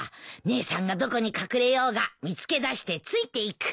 姉さんがどこに隠れようが見つけ出してついて行くよ。